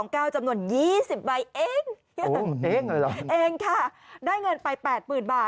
ครับ